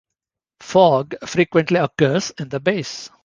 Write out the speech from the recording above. Fog frequently occurs in the base.